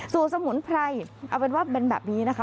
สมุนไพรเอาเป็นว่าเป็นแบบนี้นะคะ